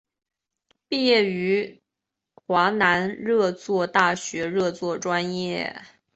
毕业于华南热作大学热作专业。